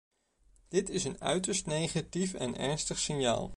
Dit is een uiterst negatief en ernstig signaal.